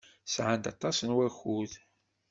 Sɛant aṭas n wakud.